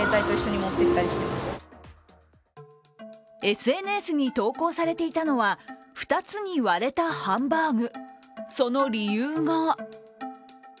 ＳＮＳに投稿されていたのは２つに割れたハンバーグ。